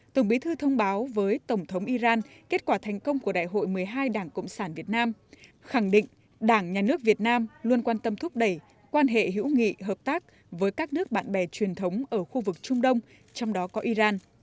tổng bí thư thông báo với tổng thống iran kết quả thành công của đại hội một mươi hai đảng cộng sản việt nam khẳng định đảng nhà nước việt nam luôn quan tâm thúc đẩy quan hệ hữu nghị hợp tác với các nước bạn bè truyền thống ở khu vực trung đông trong đó có iran